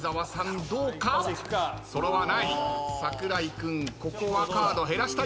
櫻井君ここはカード減らしたいところ。